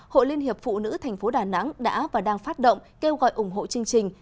hội liên hiệp phụ nữ tp đà nẵng đã và đang phát động kêu gọi ủng hộ chương trình